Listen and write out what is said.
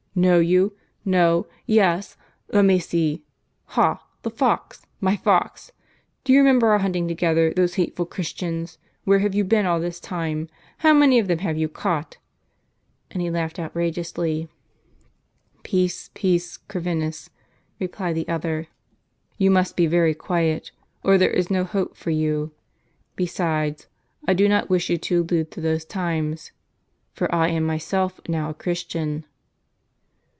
"Know you? No — yes. Let me see — Ha! the fox! my fox ! Do you remember our hunting together those hateful Christians. Where have you been all this time? How many of them have you caught?" And he laughed out rageously. "Peace, peace, Corvinus," replied the other. "You must be very quiet, or there is no hope for you. Besides, I do not wish you to allude to those times ; for I am myself now a Christian."